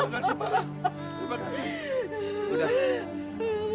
terima kasih pak